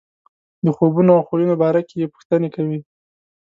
د خوبونو او خویونو باره کې یې پوښتنې کوي.